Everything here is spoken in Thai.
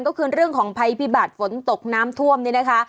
ก็คือเรื่องของภัยพิบัติฝนตกน้ำท่วมนี่นะคะ